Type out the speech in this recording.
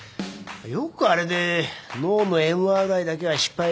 よくあれで脳のＭＲＩだけは失敗。